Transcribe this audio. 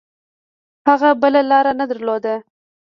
هغه بله لاره نه درلوده.